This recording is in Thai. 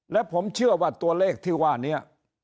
และผมเชื่อว่าตัวเลขที่ว่านี้